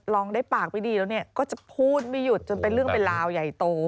ร้องได้ปากไม่ดีแล้วเนี่ยก็จะพูดไม่หยุดจนเป็นเรื่องเป็นราวใหญ่โต